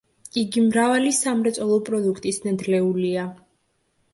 იგი მრავალი სამრეწველო პროდუქტის ნედლეულია.